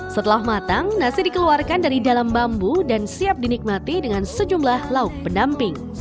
setelah matang nasi dikeluarkan dari dalam bambu dan siap dinikmati dengan sejumlah lauk pendamping